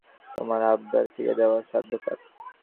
তোমার আবদার ফিরিয়ে দেওয়ার সাধ্য কার?